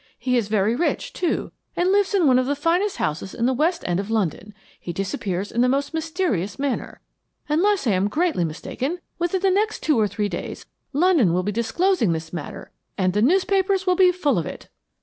He is very rich, too, and lives in one of the finest houses in the West End of London. He disappears in the most mysterious manner. Unless I am greatly mistaken, within the next two or three days London will be disclosing this matter and the newspapers will be full of it."